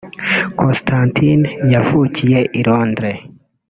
Constantine yavukiye i Londres